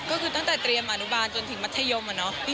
ก็คือตั้งแต่เตรียมอนุบาลจนถึงมัธยมอะเนาะ